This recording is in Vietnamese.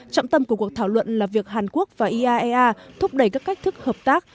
trọng tâm của cuộc thảo luận là việc hàn quốc và iaea thúc đẩy các cách thức hợp tác